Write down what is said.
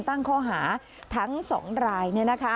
ตั้งข้อหาทั้ง๒ราย